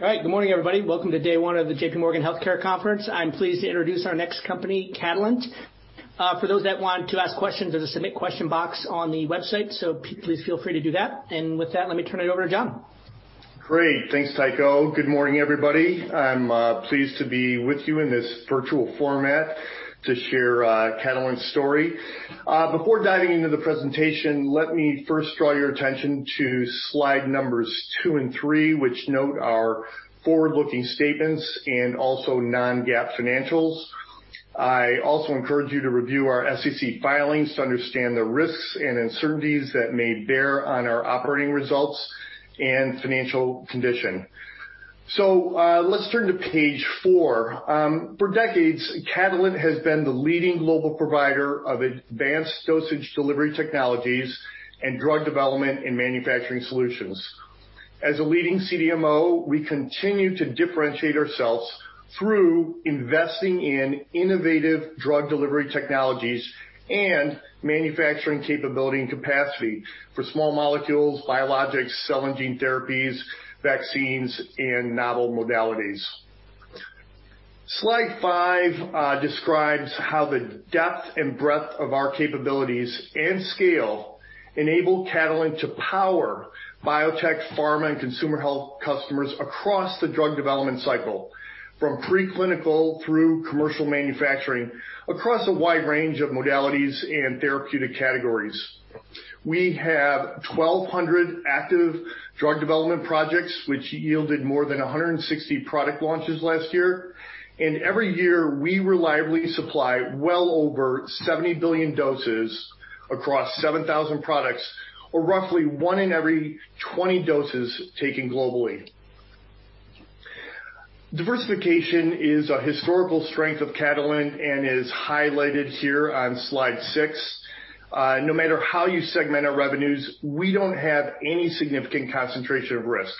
All right. Good morning, everybody. Welcome to day one of the JPMorgan Healthcare Conference. I'm pleased to introduce our next company, Catalent. For those that want to ask questions, there's a submit question box on the website, so please feel free to do that, and with that, let me turn it over to John. Great. Thanks, Tycho. Good morning, everybody. I'm pleased to be with you in this virtual format to share Catalent's story. Before diving into the presentation, let me first draw your attention to slide numbers two and three, which note our forward-looking statements and also non-GAAP financials. I also encourage you to review our SEC filings to understand the risks and uncertainties that may bear on our operating results and financial condition. So let's turn to page four. For decades, Catalent has been the leading global provider of advanced dosage delivery technologies and drug development and manufacturing solutions. As a leading CDMO, we continue to differentiate ourselves through investing in innovative drug delivery technologies and manufacturing capability and capacity for small molecules, biologics, cell and gene therapies, vaccines, and novel modalities. Slide five describes how the depth and breadth of our capabilities and scale enable Catalent to power biotech, pharma, and consumer health customers across the drug development cycle, from preclinical through commercial manufacturing, across a wide range of modalities and therapeutic categories. We have 1,200 active drug development projects, which yielded more than 160 product launches last year. And every year, we reliably supply well over 70 billion doses across 7,000 products, or roughly one in every 20 doses taken globally. Diversification is a historical strength of Catalent and is highlighted here on slide six. No matter how you segment our revenues, we don't have any significant concentration of risk.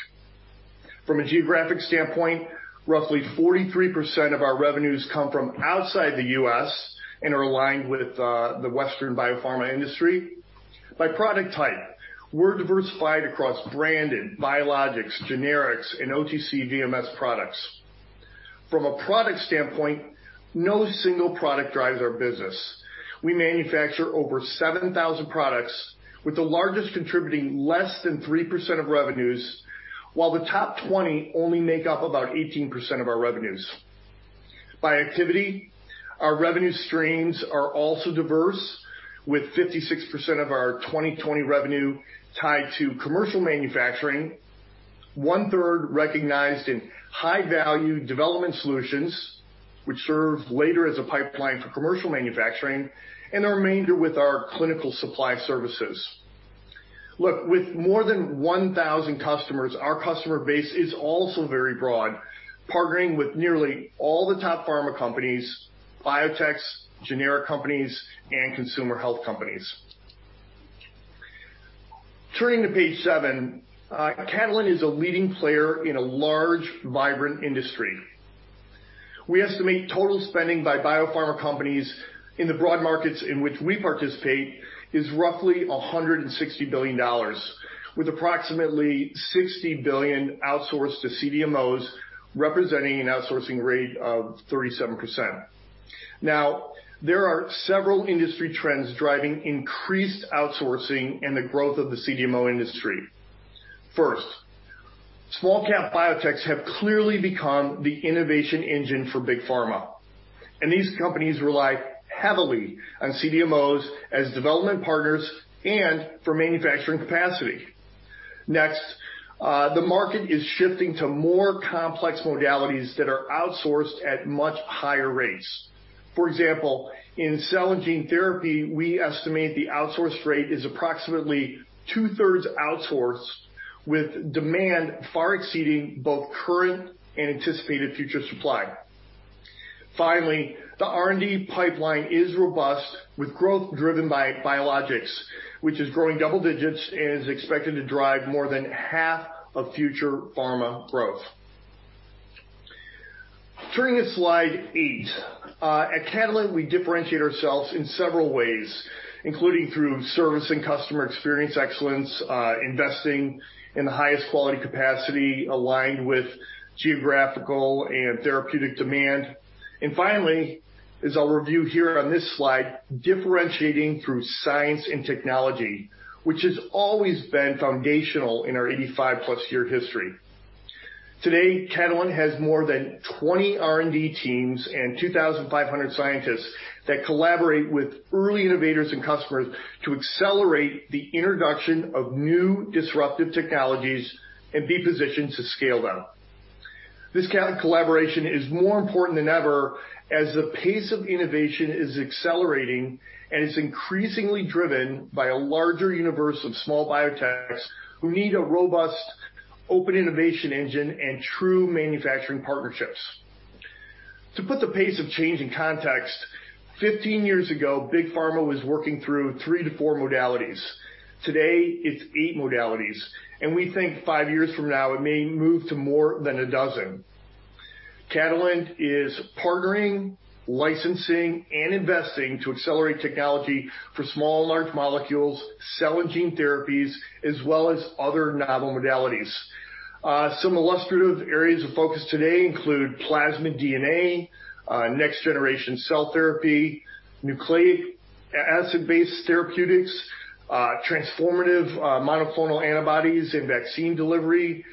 From a geographic standpoint, roughly 43% of our revenues come from outside the U.S. and are aligned with the Western biopharma industry. By product type, we're diversified across branded, biologics, generics, and OTC VMS products. From a product standpoint, no single product drives our business. We manufacture over 7,000 products, with the largest contributing less than 3% of revenues, while the top 20 only make up about 18% of our revenues. By activity, our revenue streams are also diverse, with 56% of our 2020 revenue tied to commercial manufacturing, one-third recognized in high-value development solutions, which serve later as a pipeline for commercial manufacturing, and the remainder with our clinical supply services. Look, with more than 1,000 customers, our customer base is also very broad, partnering with nearly all the top pharma companies, biotechs, generic companies, and consumer health companies. Turning to page seven, Catalent is a leading player in a large, vibrant industry. We estimate total spending by biopharma companies in the broad markets in which we participate is roughly $160 billion, with approximately $60 billion outsourced to CDMOs, representing an outsourcing rate of 37%. Now, there are several industry trends driving increased outsourcing and the growth of the CDMO industry. First, small-cap biotechs have clearly become the innovation engine for big pharma, and these companies rely heavily on CDMOs as development partners and for manufacturing capacity. Next, the market is shifting to more complex modalities that are outsourced at much higher rates. For example, in cell and gene therapy, we estimate the outsourced rate is approximately two-thirds outsourced, with demand far exceeding both current and anticipated future supply. Finally, the R&D pipeline is robust, with growth driven by biologics, which is growing double digits and is expected to drive more than half of future pharma growth. Turning to slide eight, at Catalent, we differentiate ourselves in several ways, including through service and customer experience excellence, investing in the highest quality capacity aligned with geographical and therapeutic demand, and finally, as I'll review here on this slide, differentiating through science and technology, which has always been foundational in our 85+ year history. Today, Catalent has more than 20 R&D teams and 2,500 scientists that collaborate with early innovators and customers to accelerate the introduction of new disruptive technologies and be positioned to scale them. This collaboration is more important than ever as the pace of innovation is accelerating and is increasingly driven by a larger universe of small biotechs who need a robust open innovation engine and true manufacturing partnerships. To put the pace of change in context, 15 years ago, big pharma was working through three to four modalities. Today, it's eight modalities. We think five years from now, it may move to more than a dozen. Catalent is partnering, licensing, and investing to accelerate technology for small and large molecules, cell and gene therapies, as well as other novel modalities. Some illustrative areas of focus today include plasmid DNA, next-generation cell therapy, nucleic acid-based therapeutics, transformative monoclonal antibodies and vaccine delivery,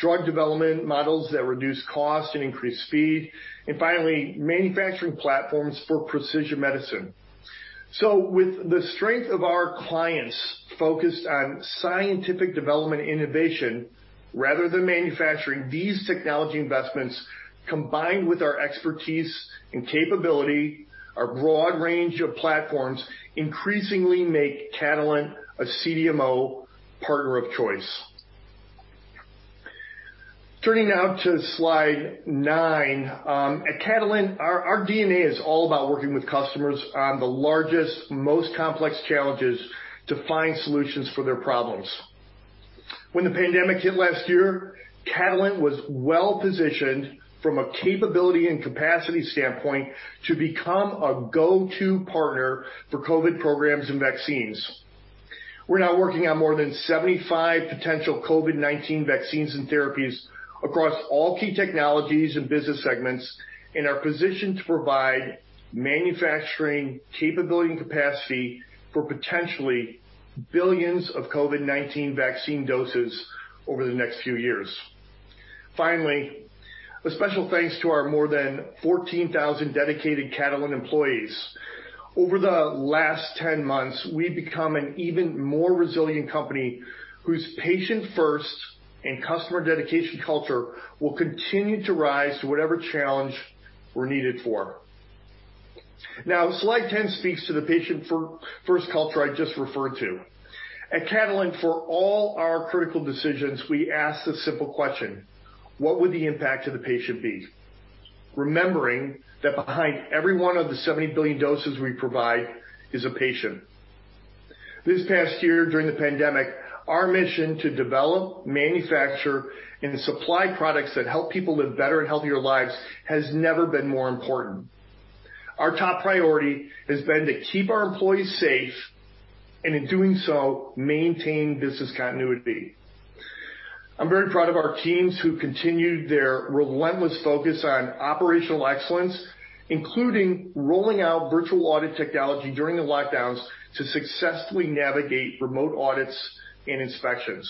drug development models that reduce cost and increase speed, and finally, manufacturing platforms for precision medicine. With the strength of our clients focused on scientific development innovation rather than manufacturing, these technology investments, combined with our expertise and capability, our broad range of platforms, increasingly make Catalent a CDMO partner of choice. Turning now to slide nine, at Catalent, our DNA is all about working with customers on the largest, most complex challenges to find solutions for their problems. When the pandemic hit last year, Catalent was well-positioned from a capability and capacity standpoint to become a go-to partner for COVID programs and vaccines. We're now working on more than 75 potential COVID-19 vaccines and therapies across all key technologies and business segments and are positioned to provide manufacturing capability and capacity for potentially billions of COVID-19 vaccine doses over the next few years. Finally, a special thanks to our more than 14,000 dedicated Catalent employees. Over the last 10 months, we've become an even more resilient company whose patient-first and customer dedication culture will continue to rise to whatever challenge we're needed for. Now, slide 10 speaks to the patient-first culture I just referred to. At Catalent, for all our critical decisions, we ask the simple question, "What would the impact of the patient be?" Remembering that behind every one of the 70 billion doses we provide is a patient. This past year, during the pandemic, our mission to develop, manufacture, and supply products that help people live better and healthier lives has never been more important. Our top priority has been to keep our employees safe and, in doing so, maintain business continuity. I'm very proud of our teams who continue their relentless focus on operational excellence, including rolling out virtual audit technology during the lockdowns to successfully navigate remote audits and inspections.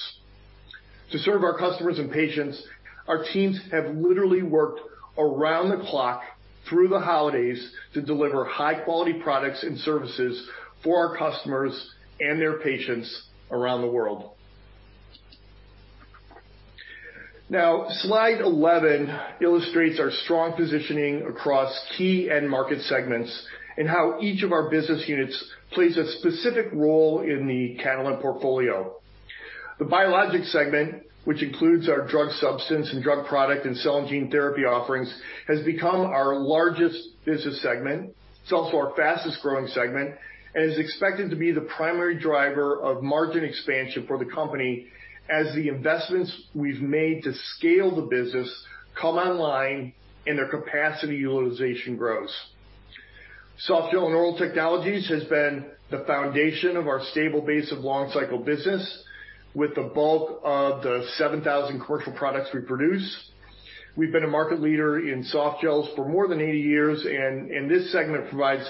To serve our customers and patients, our teams have literally worked around the clock through the holidays to deliver high-quality products and services for our customers and their patients around the world. Now, slide 11 illustrates our strong positioning across key end market segments and how each of our business units plays a specific role in the Catalent portfolio. The biologics segment, which includes our drug substance and drug product and cell and gene therapy offerings, has become our largest business segment. It's also our fastest-growing segment and is expected to be the primary driver of margin expansion for the company as the investments we've made to scale the business come online and their capacity utilization grows. Softgel and Oral Technologies has been the foundation of our stable base of long-cycle business, with the bulk of the 7,000 commercial products we produce. We've been a market leader in softgels for more than 80 years, and this segment provides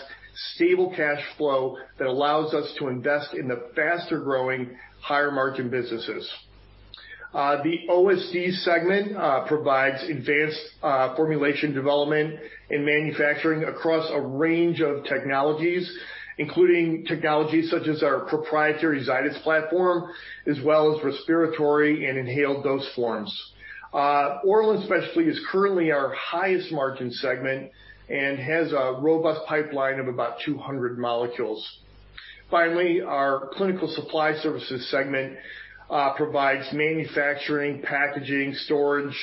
stable cash flow that allows us to invest in the faster-growing, higher-margin businesses. The OSD segment provides advanced formulation development and manufacturing across a range of technologies, including technologies such as our proprietary Zydis platform, as well as respiratory and inhaled dose forms. Oral and specialty is currently our highest-margin segment and has a robust pipeline of about 200 molecules. Finally, our clinical supply services segment provides manufacturing, packaging, storage,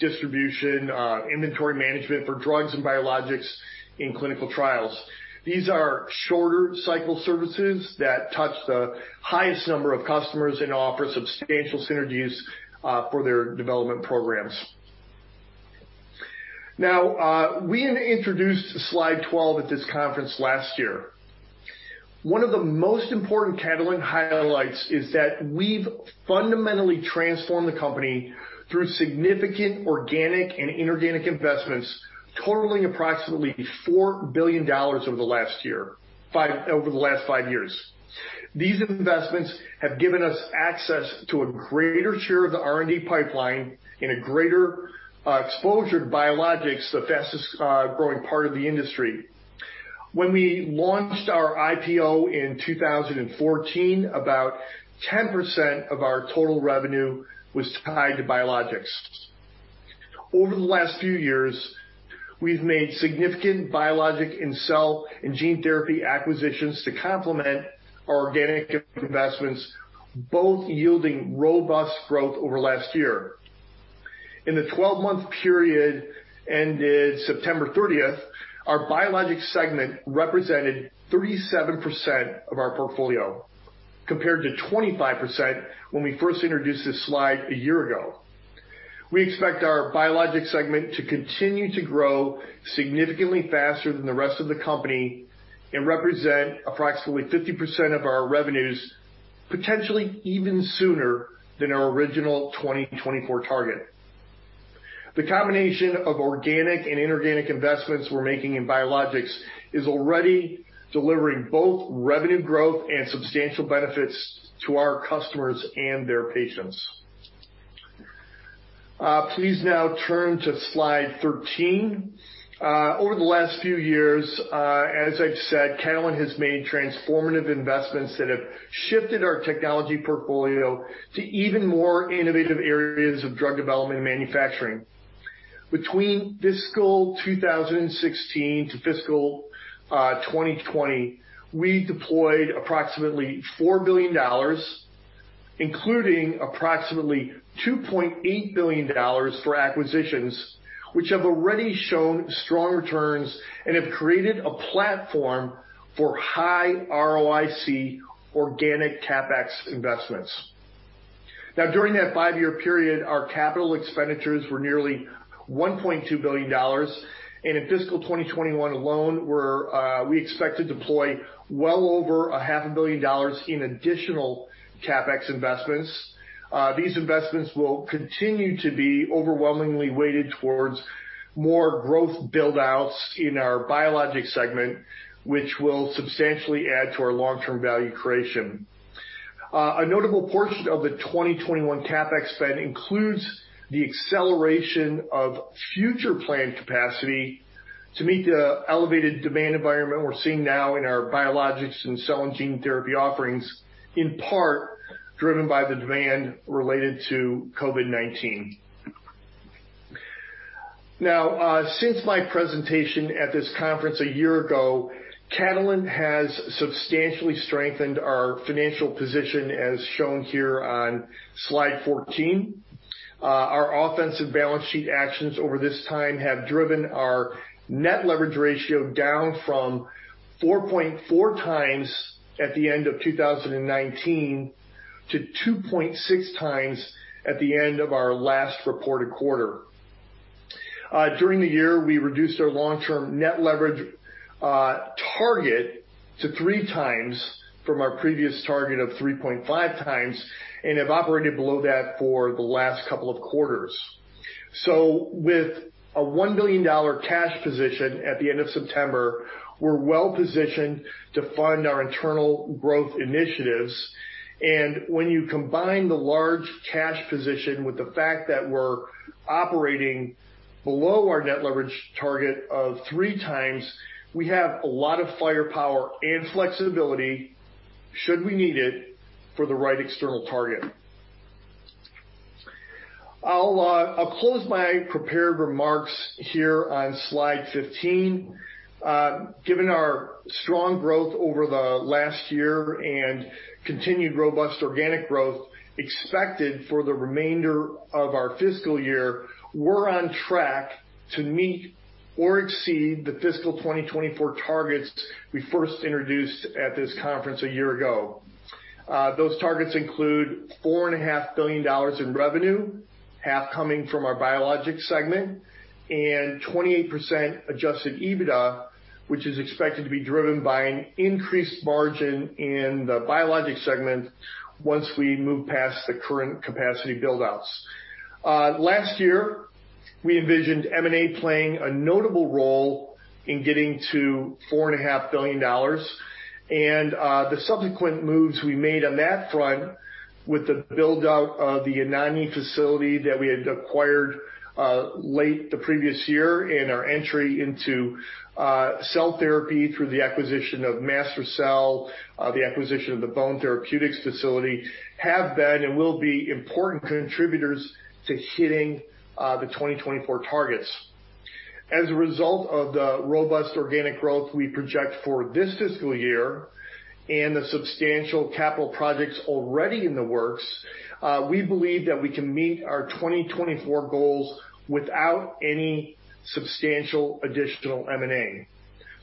distribution, inventory management for drugs and biologics in clinical trials. These are shorter-cycle services that touch the highest number of customers and offer substantial synergies for their development programs. Now, we introduced slide 12 at this conference last year. One of the most important Catalent highlights is that we've fundamentally transformed the company through significant organic and inorganic investments, totaling approximately $4 billion over the last year, over the last five years. These investments have given us access to a greater share of the R&D pipeline and a greater exposure to biologics, the fastest-growing part of the industry. When we launched our IPO in 2014, about 10% of our total revenue was tied to biologics. Over the last few years, we've made significant biologics and cell and gene therapy acquisitions to complement our organic investments, both yielding robust growth over last year. In the 12-month period ended September 30th, our biologics segment represented 37% of our portfolio, compared to 25% when we first introduced this slide a year ago. We expect our biologics segment to continue to grow significantly faster than the rest of the company and represent approximately 50% of our revenues, potentially even sooner than our original 2024 target. The combination of organic and inorganic investments we're making in biologics is already delivering both revenue growth and substantial benefits to our customers and their patients. Please now turn to slide 13. Over the last few years, as I've said, Catalent has made transformative investments that have shifted our technology portfolio to even more innovative areas of drug development and manufacturing. Between fiscal 2016 to fiscal 2020, we deployed approximately $4 billion, including approximately $2.8 billion for acquisitions, which have already shown strong returns and have created a platform for high ROIC organic CapEx investments. Now, during that five-year period, our capital expenditures were nearly $1.2 billion. And in fiscal 2021 alone, we expect to deploy well over $500 million in additional CapEx investments. These investments will continue to be overwhelmingly weighted towards more growth buildouts in our biologics segment, which will substantially add to our long-term value creation. A notable portion of the 2021 CapEx spend includes the acceleration of future planned capacity to meet the elevated demand environment we're seeing now in our biologics and cell and gene therapy offerings, in part driven by the demand related to COVID-19. Now, since my presentation at this conference a year ago, Catalent has substantially strengthened our financial position, as shown here on slide 14. Our offensive balance sheet actions over this time have driven our net leverage ratio down from 4.4 times at the end of 2019 to 2.6 times at the end of our last reported quarter. During the year, we reduced our long-term net leverage target to three times from our previous target of 3.5 times and have operated below that for the last couple of quarters, so with a $1 billion cash position at the end of September, we're well-positioned to fund our internal growth initiatives. When you combine the large cash position with the fact that we're operating below our net leverage target of three times, we have a lot of firepower and flexibility should we need it for the right external target. I'll close my prepared remarks here on slide 15. Given our strong growth over the last year and continued robust organic growth expected for the remainder of our fiscal year, we're on track to meet or exceed the fiscal 2024 targets we first introduced at this conference a year ago. Those targets include $4.5 billion in revenue, half coming from our biologics segment, and 28% adjusted EBITDA, which is expected to be driven by an increased margin in the biologics segment once we move past the current capacity buildouts. Last year, we envisioned M&A playing a notable role in getting to $4.5 billion, and the subsequent moves we made on that front with the buildout of the Anagni facility that we had acquired late in the previous year and our entry into cell therapy through the acquisition of MaSTherCell, the acquisition of the Bone Therapeutics facility, have been and will be important contributors to hitting the 2024 targets. As a result of the robust organic growth we project for this fiscal year and the substantial capital projects already in the works, we believe that we can meet our 2024 goals without any substantial additional M&A.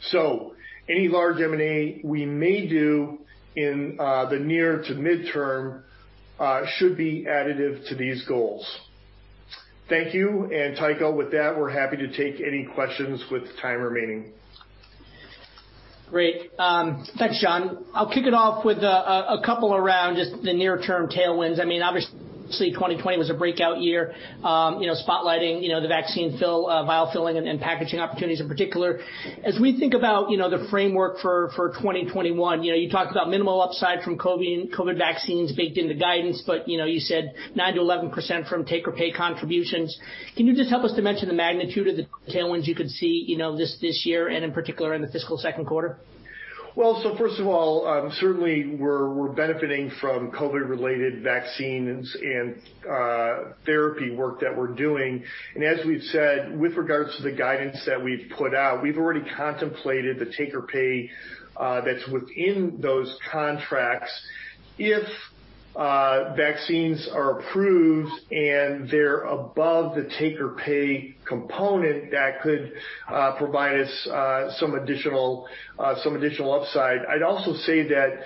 So any large M&A we may do in the near to midterm should be additive to these goals. Thank you. And Tycho, with that, we're happy to take any questions with the time remaining. Great. Thanks, John. I'll kick it off with a couple around just the near-term tailwinds. I mean, obviously, 2020 was a breakout year, spotlighting the vaccine vial filling and packaging opportunities in particular. As we think about the framework for 2021, you talked about minimal upside from COVID vaccines baked into the guidance, but you said 9%-11% from take-or-pay contributions. Can you just help us to mention the magnitude of the tailwinds you could see this year and in particular in the fiscal second quarter? Well, so first of all, certainly, we're benefiting from COVID-related vaccines and therapy work that we're doing. As we've said, with regards to the guidance that we've put out, we've already contemplated the take-or-pay that's within those contracts. If vaccines are approved and they're above the take-or-pay component, that could provide us some additional upside. I'd also say that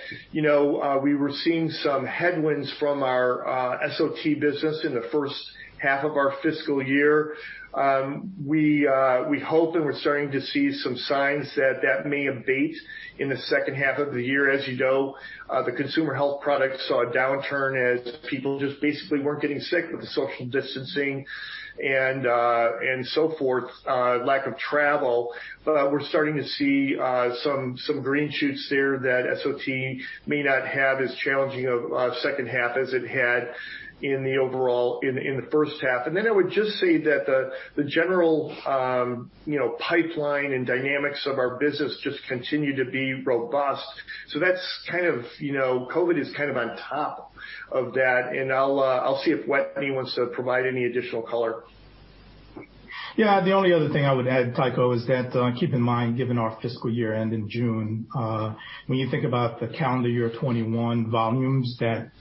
we were seeing some headwinds from our SOT business in the first half of our fiscal year. We hope and we're starting to see some signs that that may abate in the second half of the year. As you know, the consumer health products saw a downturn as people just basically weren't getting sick with the social distancing and so forth, lack of travel. But we're starting to see some green shoots there that SOT may not have as challenging of a second half as it had in the overall in the first half. And then I would just say that the general pipeline and dynamics of our business just continue to be robust. So that's kind of COVID is kind of on top of that. And I'll see if Wetteny wants to provide any additional color. Yeah. The only other thing I would add, Tycho, is that keep in mind, given our fiscal year end in June, when you think about the calendar year 2021 volumes that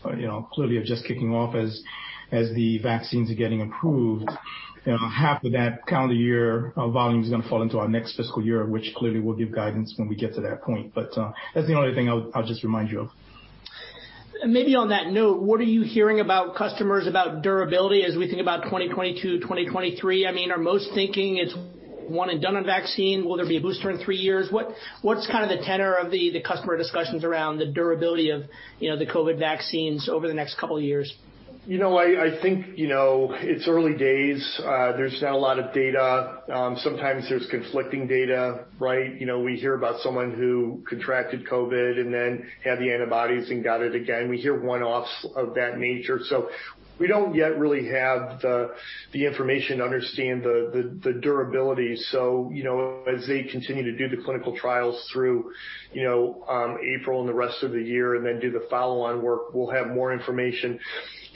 clearly are just kicking off as the vaccines are getting approved, half of that calendar year volume is going to fall into our next fiscal year, which clearly will give guidance when we get to that point. But that's the only thing I'll just remind you of. And maybe on that note, what are you hearing about customers about durability as we think about 2022, 2023? I mean, are most thinking it's one and done on vaccine? Will there be a booster in three years? What's kind of the tenor of the customer discussions around the durability of the COVID vaccines over the next couple of years? You know, I think it's early days. There's not a lot of data. Sometimes there's conflicting data, right? We hear about someone who contracted COVID and then had the antibodies and got it again. We hear one-offs of that nature. So we don't yet really have the information to understand the durability. So as they continue to do the clinical trials through April and the rest of the year and then do the follow-on work, we'll have more information.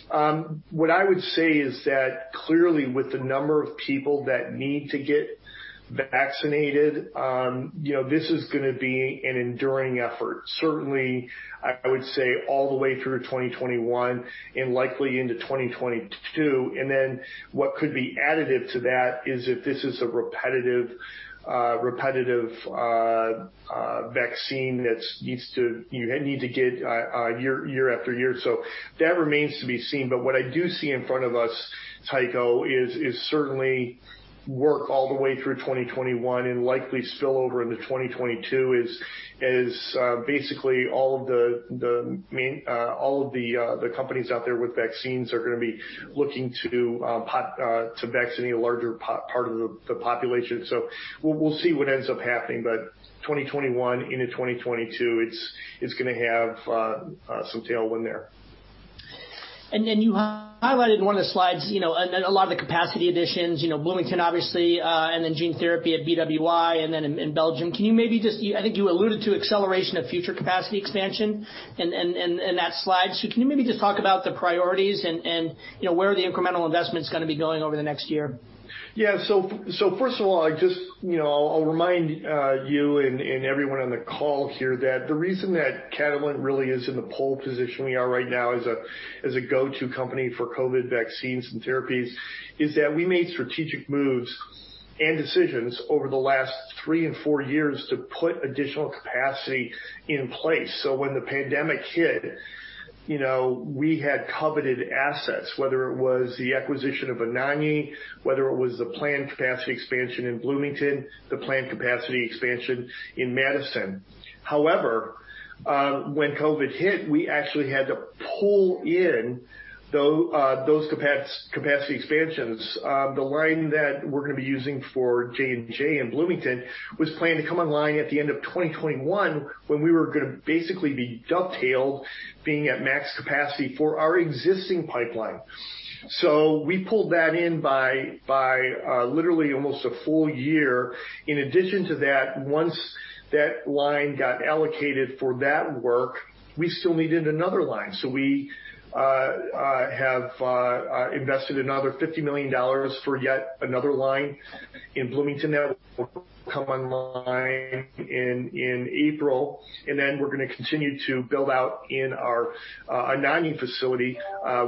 What I would say is that clearly, with the number of people that need to get vaccinated, this is going to be an enduring effort. Certainly, I would say all the way through 2021 and likely into 2022. And then what could be additive to that is if this is a repetitive vaccine that needs to get year after year. So that remains to be seen. But what I do see in front of us, Tycho, is certainly work all the way through 2021 and likely spill over into 2022 as basically all of the companies out there with vaccines are going to be looking to vaccinate a larger part of the population. So we'll see what ends up happening. But 2021 into 2022, it's going to have some tailwind there. And then you highlighted in one of the slides a lot of the capacity additions, Bloomington, obviously, and then gene therapy at BWI and then in Belgium. Can you maybe just I think you alluded to acceleration of future capacity expansion in that slide? So can you maybe just talk about the priorities and where are the incremental investments going to be going over the next year? Yeah. So first of all, I'll remind you and everyone on the call here that the reason that Catalent really is in the pole position we are right now as a go-to company for COVID vaccines and therapies is that we made strategic moves and decisions over the last three and four years to put additional capacity in place. So when the pandemic hit, we had coveted assets, whether it was the acquisition of Anagni, whether it was the planned capacity expansion in Bloomington, the planned capacity expansion in Madison. However, when COVID hit, we actually had to pull in those capacity expansions. The line that we're going to be using for J&J in Bloomington was planned to come online at the end of 2021 when we were going to basically be dovetailed, being at max capacity for our existing pipeline. So we pulled that in by literally almost a full year. In addition to that, once that line got allocated for that work, we still needed another line. So we have invested another $50 million for yet another line in Bloomington that will come online in April. And then we're going to continue to build out in our Anagni facility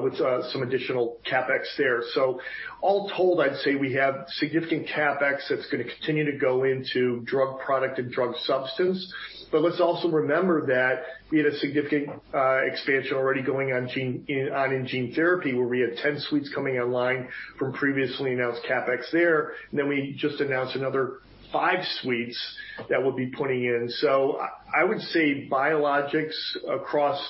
with some additional CapEx there. So all told, I'd say we have significant CapEx that's going to continue to go into drug product and drug substance. Let's also remember that we had a significant expansion already going on in gene therapy where we had 10 suites coming online from previously announced CapEx there. We just announced another five suites that will be putting in. I would say biologics across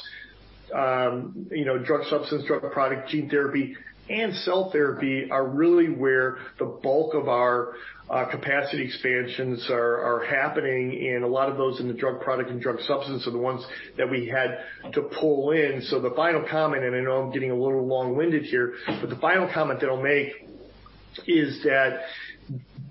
drug substance, drug product, gene therapy, and cell therapy are really where the bulk of our capacity expansions are happening. A lot of those in the drug product and drug substance are the ones that we had to pull in. The final comment, and I know I'm getting a little long-winded here, but the final comment that I'll make is that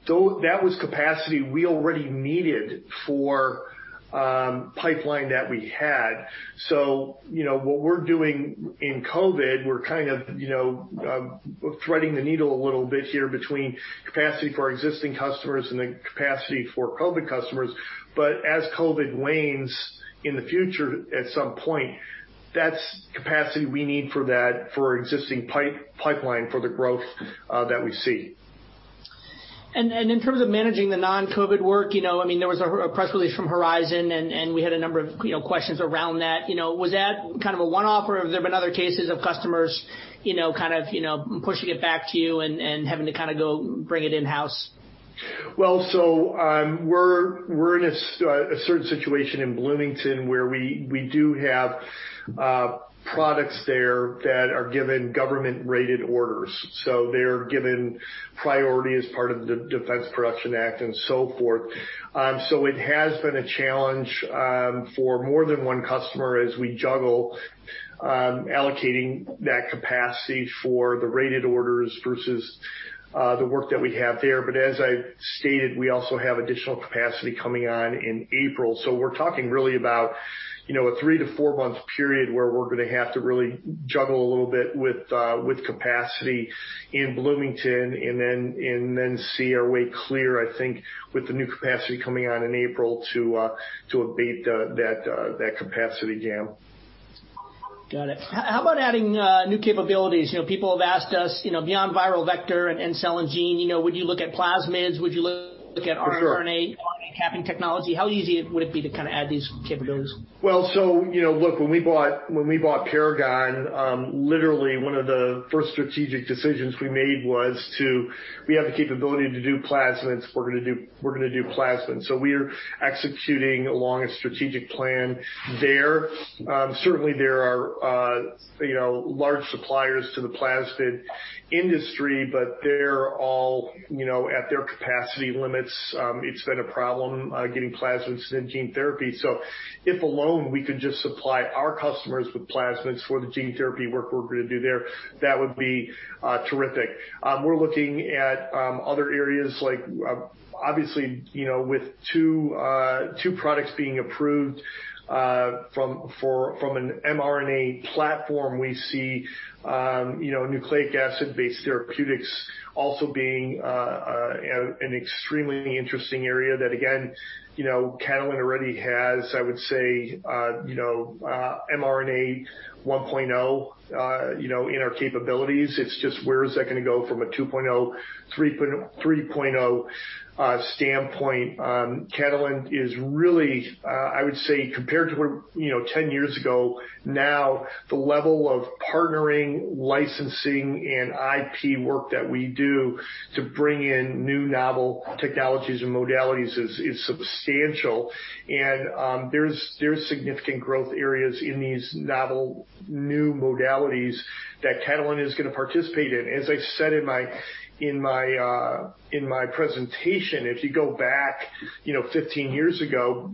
that was capacity we already needed for pipeline that we had. What we're doing in COVID, we're kind of threading the needle a little bit here between capacity for our existing customers and the capacity for COVID customers. But as COVID wanes in the future at some point, that's capacity we need for that for existing pipeline for the growth that we see. And in terms of managing the non-COVID work, I mean, there was a press release from Horizon, and we had a number of questions around that. Was that kind of a one-off, or have there been other cases of customers kind of pushing it back to you and having to kind of go bring it in-house? Well, so we're in a certain situation in Bloomington where we do have products there that are given government-rated orders. So they're given priority as part of the Defense Production Act and so forth. So it has been a challenge for more than one customer as we juggle allocating that capacity for the rated orders versus the work that we have there. But as I stated, we also have additional capacity coming on in April. So we're talking really about a three-to-four-month period where we're going to have to really juggle a little bit with capacity in Bloomington and then see our way clear, I think, with the new capacity coming on in April to abate that capacity gap. Got it. How about adding new capabilities? People have asked us beyond viral vector and cell and gene, would you look at plasmids? Would you look at RNA? How easy would it be to kind of add these capabilities? Well, so look, when we bought Paragon, literally one of the first strategic decisions we made was to, we have the capability to do plasmids. We're going to do plasmids. So we're executing along a strategic plan there. Certainly, there are large suppliers to the plasmid industry, but they're all at their capacity limits. It's been a problem getting plasmids and gene therapy. So if alone we could just supply our customers with plasmids for the gene therapy work we're going to do there, that would be terrific. We're looking at other areas like, obviously, with two products being approved from an mRNA platform, we see nucleic acid-based therapeutics also being an extremely interesting area that, again, Catalent already has, I would say, mRNA 1.0 in our capabilities. It's just, where is that going to go from a 2.0, 3.0 standpoint? Catalent is really, I would say, compared to 10 years ago, now the level of partnering, licensing, and IP work that we do to bring in new novel technologies and modalities is substantial. And there's significant growth areas in these novel new modalities that Catalent is going to participate in. As I said in my presentation, if you go back 15 years ago,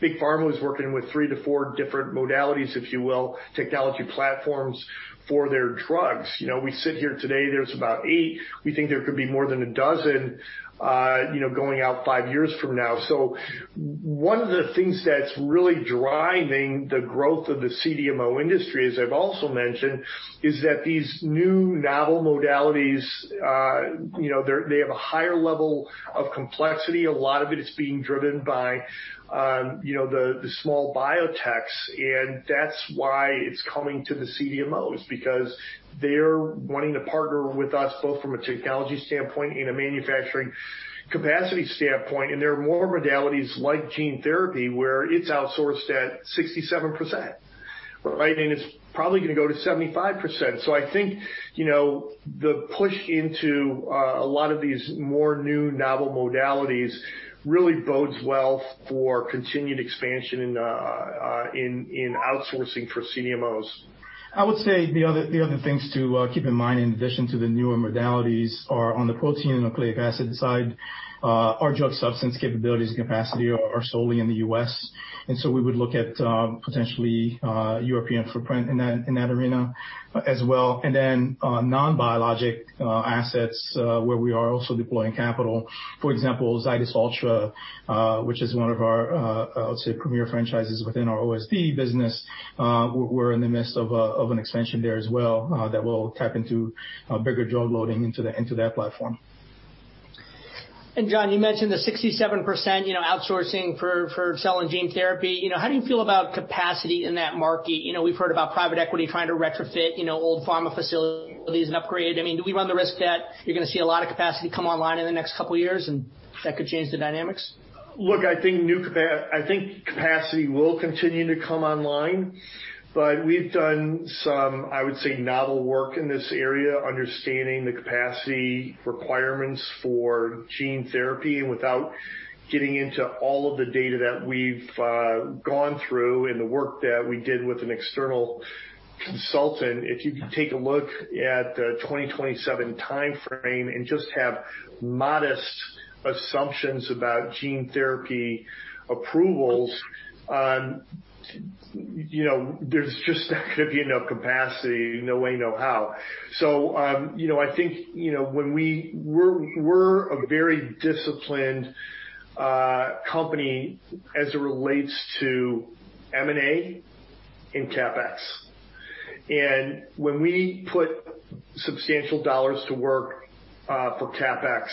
Big Pharma was working with three to four different modalities, if you will, technology platforms for their drugs. We sit here today, there's about eight. We think there could be more than a dozen going out five years from now. So one of the things that's really driving the growth of the CDMO industry, as I've also mentioned, is that these new novel modalities, they have a higher level of complexity. A lot of it is being driven by the small biotechs. And that's why it's coming to the CDMOs, because they're wanting to partner with us both from a technology standpoint and a manufacturing capacity standpoint. And there are more modalities like gene therapy where it's outsourced at 67%, right? And it's probably going to go to 75%. So I think the push into a lot of these more new novel modalities really bodes well for continued expansion in outsourcing for CDMOs. I would say the other things to keep in mind, in addition to the newer modalities, are on the protein and nucleic acid side, our drug substance capabilities and capacity are solely in the U.S. And so we would look at potentially European footprint in that arena as well. And then non-biologic assets where we are also deploying capital. For example, Zydis Ultra, which is one of our, I would say, premier franchises within our OSD business. We're in the midst of an expansion there as well that will tap into bigger drug loading into that platform. John, you mentioned the 67% outsourcing for cell and gene therapy. How do you feel about capacity in that market? We've heard about private equity trying to retrofit old pharma facilities and upgrade. I mean, do we run the risk that you're going to see a lot of capacity come online in the next couple of years, and that could change the dynamics? Look, I think capacity will continue to come online. But we've done some, I would say, novel work in this area, understanding the capacity requirements for gene therapy. And without getting into all of the data that we've gone through and the work that we did with an external consultant, if you can take a look at the 2027 timeframe and just have modest assumptions about gene therapy approvals, there's just not going to be enough capacity, no way, no how. So I think when we're a very disciplined company as it relates to M&A and CapEx, and when we put substantial dollars to work for CapEx,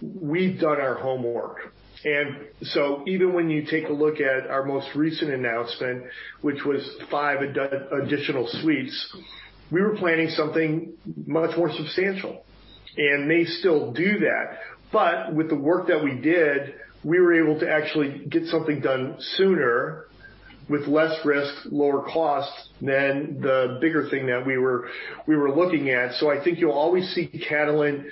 we've done our homework. And so even when you take a look at our most recent announcement, which was five additional suites, we were planning something much more substantial. And they still do that. But with the work that we did, we were able to actually get something done sooner with less risk, lower cost than the bigger thing that we were looking at. So I think you'll always see Catalent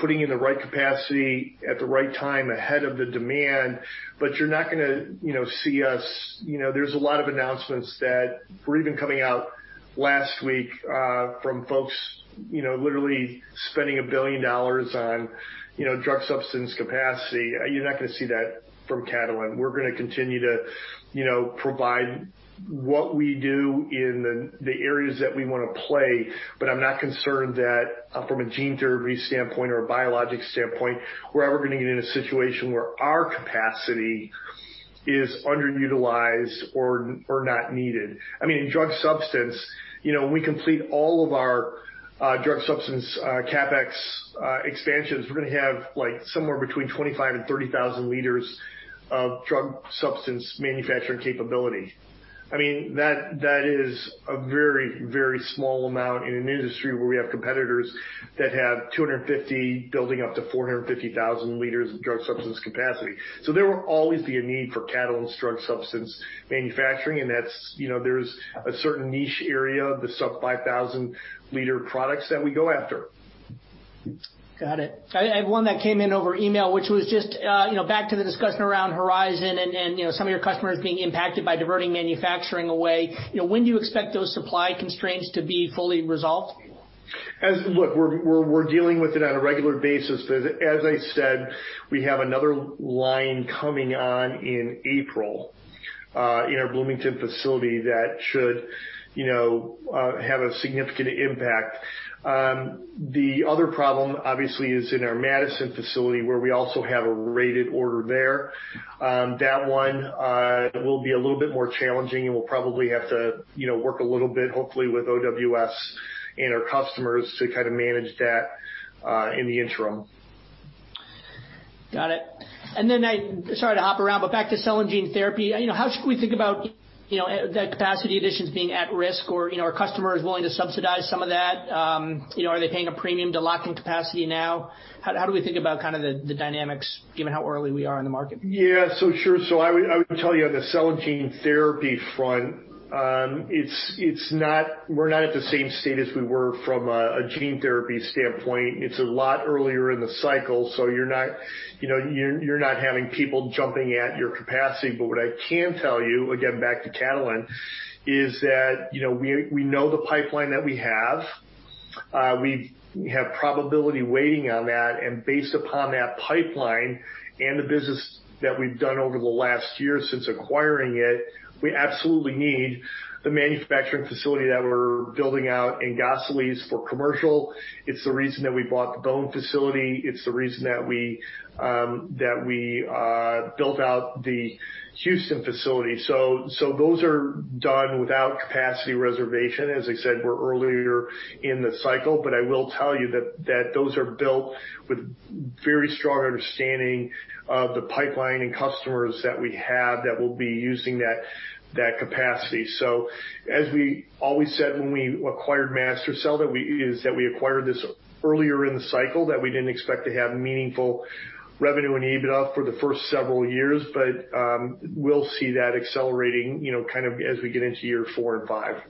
putting in the right capacity at the right time ahead of the demand. But you're not going to see us. There's a lot of announcements that were even coming out last week from folks literally spending $1 billion on drug substance capacity. You're not going to see that from Catalent. We're going to continue to provide what we do in the areas that we want to play. But I'm not concerned that from a gene therapy standpoint or a biologic standpoint, we're ever going to get in a situation where our capacity is underutilized or not needed. I mean, in drug substance, when we complete all of our drug substance CapEx expansions, we're going to have somewhere between 25 and 30 thousand liters of drug substance manufacturing capability. I mean, that is a very, very small amount in an industry where we have competitors that have 250 building up to 450,000 liters of drug substance capacity. So there will always be a need for Catalent's drug substance manufacturing. And there's a certain niche area, the sub 5,000-liter products that we go after. Got it. I have one that came in over email, which was just back to the discussion around Horizon and some of your customers being impacted by diverting manufacturing away. When do you expect those supply constraints to be fully resolved? Look, we're dealing with it on a regular basis. As I said, we have another line coming on in April in our Bloomington facility that should have a significant impact. The other problem, obviously, is in our Madison facility where we also have a rated order there. That one will be a little bit more challenging, and we'll probably have to work a little bit, hopefully, with OWS and our customers to kind of manage that in the interim. Got it, and then I'm sorry to hop around, but back to cell and gene therapy. How should we think about the capacity additions being at risk, or are customers willing to subsidize some of that? Are they paying a premium to lock in capacity now? How do we think about kind of the dynamics, given how early we are in the market? Yeah. So sure. So I would tell you on the cell and gene therapy front, we're not at the same state as we were from a gene therapy standpoint. It's a lot earlier in the cycle. So you're not having people jumping at your capacity. But what I can tell you, again, back to Catalent, is that we know the pipeline that we have. We have probability weighting on that. And based upon that pipeline and the business that we've done over the last year since acquiring it, we absolutely need the manufacturing facility that we're building out in Gosselies for commercial. It's the reason that we bought the Bone facility. It's the reason that we built out the Houston facility. So those are done without capacity reservation. As I said, we're earlier in the cycle. But I will tell you that those are built with very strong understanding of the pipeline and customers that we have that will be using that capacity. So as we always said when we acquired MaSTherCell, that we acquired this earlier in the cycle, that we didn't expect to have meaningful revenue and EBITDA for the first several years. But we'll see that accelerating kind of as we get into year four and five.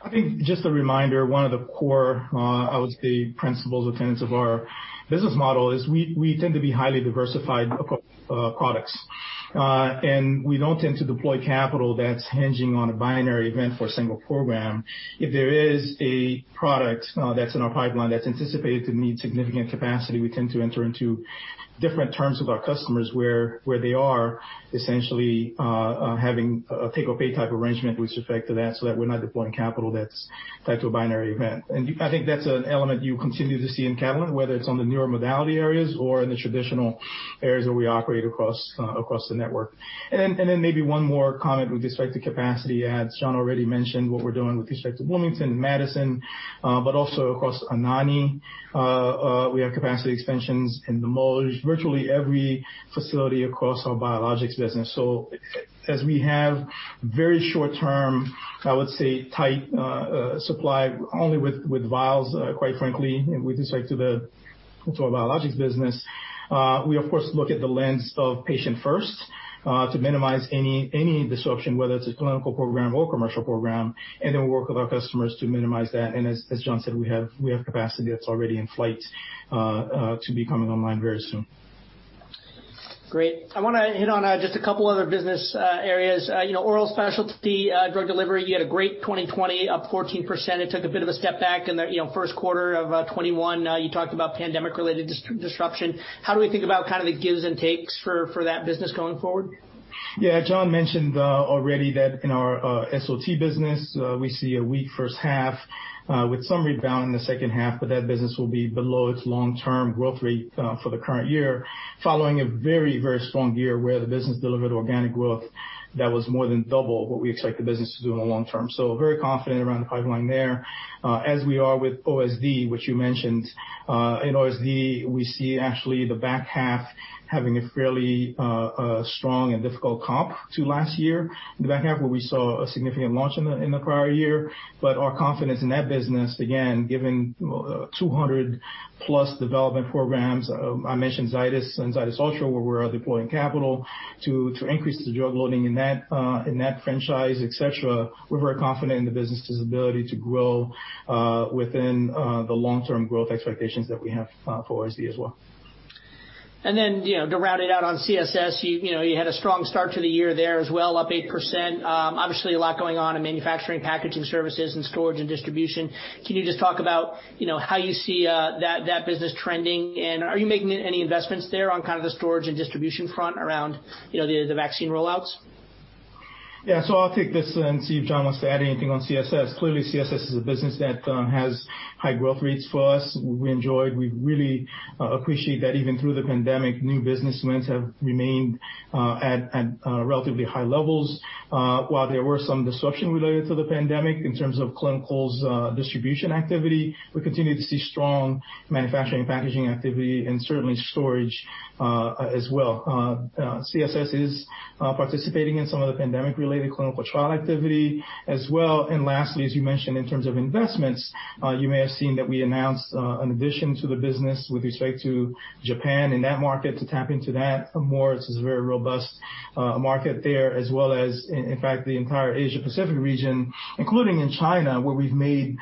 I think just a reminder, one of the core, I would say, principles of our business model is we tend to be highly diversified products. And we don't tend to deploy capital that's hinging on a binary event for a single program. If there is a product that's in our pipeline that's anticipated to need significant capacity, we tend to enter into different terms with our customers where they are essentially having a take-or-pay type arrangement with respect to that so that we're not deploying capital that's tied to a binary event. And I think that's an element you continue to see in Catalent, whether it's on the newer modality areas or in the traditional areas where we operate across the network. And then maybe one more comment with respect to capacity. As John already mentioned, what we're doing with respect to Bloomington, Madison, but also across Anagni, we have capacity expansions in the molecule, virtually every facility across our biologics business. So as we have very short-term, I would say, tight supply only with vials, quite frankly, with respect to our biologics business, we, of course, look at the lens of patient-first to minimize any disruption, whether it's a clinical program or commercial program. And then we work with our customers to minimize that. And as John said, we have capacity that's already in flight to be coming online very soon. Great. I want to hit on just a couple of other business areas. Oral specialty drug delivery, you had a great 2020, up 14%. It took a bit of a step back in the first quarter of 2021. You talked about pandemic-related disruption. How do we think about kind of the gives and takes for that business going forward? Yeah. John mentioned already that in our SOT business, we see a weak first half with some rebound in the second half. But that business will be below its long-term growth rate for the current year, following a very, very strong year where the business delivered organic growth that was more than double what we expect the business to do in the long term. So very confident around the pipeline there. As we are with OSD, which you mentioned, in OSD, we see actually the back half having a fairly strong and difficult comp to last year, the back half where we saw a significant launch in the prior year. But our confidence in that business, again, given 200-plus development programs, I mentioned Zydis and Zydis Ultra, where we are deploying capital to increase the drug loading in that franchise, etc. We're very confident in the business's ability to grow within the long-term growth expectations that we have for OSD as well. And then to round it out on CSS, you had a strong start to the year there as well, up 8%. Obviously, a lot going on in manufacturing, packaging services, and storage and distribution. Can you just talk about how you see that business trending? And are you making any investments there on kind of the storage and distribution front around the vaccine rollouts? Yeah. So I'll take this and see if John wants to add anything on CSS. Clearly, CSS is a business that has high growth rates for us. We enjoyed. We really appreciate that even through the pandemic, new business wins have remained at relatively high levels. While there were some disruption related to the pandemic in terms of clinicals' distribution activity, we continue to see strong manufacturing and packaging activity, and certainly storage as well. CSS is participating in some of the pandemic-related clinical trial activity as well, and lastly, as you mentioned, in terms of investments, you may have seen that we announced an addition to the business with respect to Japan in that market to tap into that more. It's a very robust market there, as well as in fact the entire Asia-Pacific region, including in China, where we've made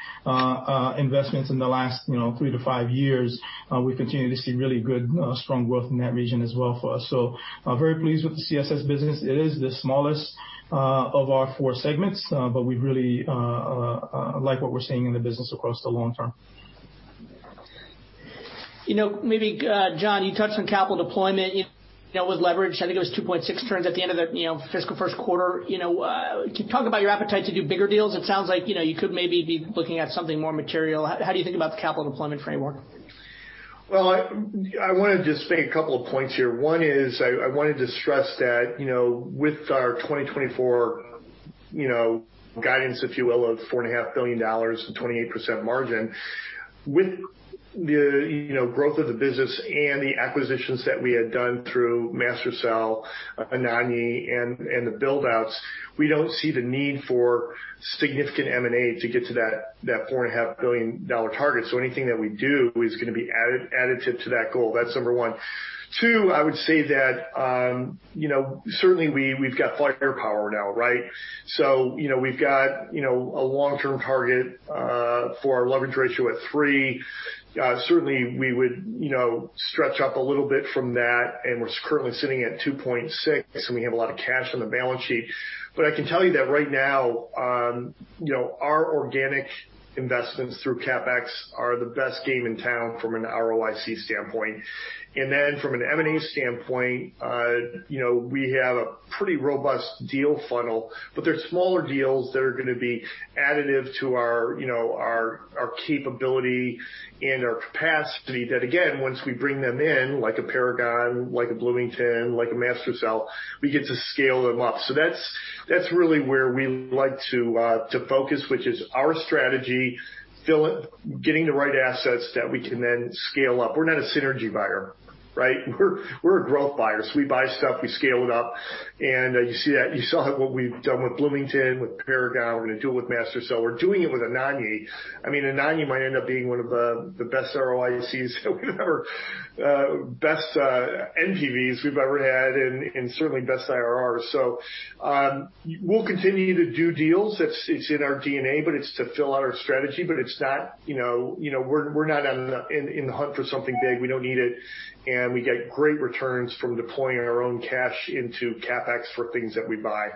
investments in the last three to five years. We continue to see really good, strong growth in that region as well for us, so very pleased with the CSS business. It is the smallest of our four segments, but we really like what we're seeing in the business across the long term. Maybe, John, you touched on capital deployment. That was leveraged. I think it was 2.6 turns at the end of the fiscal first quarter. Talk about your appetite to do bigger deals. It sounds like you could maybe be looking at something more material. How do you think about the capital deployment framework? Well, I want to just make a couple of points here. One is I wanted to stress that with our 2024 guidance, if you will, of $4.5 billion and 28% margin, with the growth of the business and the acquisitions that we had done through MaSTherCell, Anagni, and the buildouts, we don't see the need for significant M&A to get to that $4.5 billion target. So anything that we do is going to be additive to that goal. That's number one. Two, I would say that certainly we've got firepower now, right? So we've got a long-term target for our leverage ratio at 3. Certainly, we would stretch up a little bit from that. And we're currently sitting at 2.6. And we have a lot of cash on the balance sheet. But I can tell you that right now, our organic investments through CapEx are the best game in town from an ROIC standpoint. And then from an M&A standpoint, we have a pretty robust deal funnel. But there are smaller deals that are going to be additive to our capability and our capacity that, again, once we bring them in, like a Paragon, like a Bloomington, like a MaSTherCell, we get to scale them up. So that's really where we like to focus, which is our strategy, getting the right assets that we can then scale up. We're not a synergy buyer, right? We're a growth buyer. So we buy stuff. We scale it up. And you saw what we've done with Bloomington, with Paragon. We're going to do it with MaSTherCell. We're doing it with Anagni. I mean, Anagni might end up being one of the best ROICs that we've ever best NPVs we've ever had, and certainly best IRRs. So we'll continue to do deals. It's in our DNA, but it's to fill out our strategy. But it's not. We're not in the hunt for something big. We don't need it. And we get great returns from deploying our own cash into CapEx for things that we buy.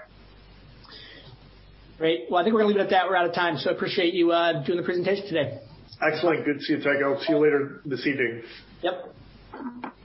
Great. I think we're going to leave it at that. We're out of time. I appreciate you doing the presentation today. Excellent. Good to see you, Tycho. See you later this evening. Yep.